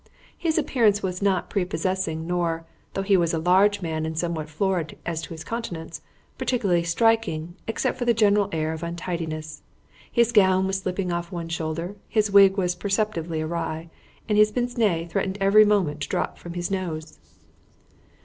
His appearance was not prepossessing nor though he was a large man and somewhat florid as to his countenance particularly striking, except for a general air of untidiness. His gown was slipping off one shoulder, his wig was perceptibly awry, and his pince nez threatened every moment to drop from his nose.